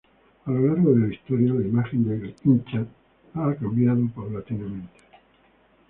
A lo largo de la historia la imagen del hincha fue cambiando paulatinamente.